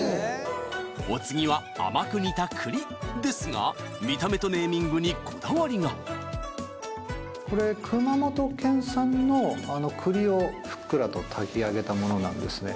お次は甘く煮た栗ですが見た目とネーミングにこだわりがこれ熊本県産の栗をふっくらと炊き上げたものなんですね。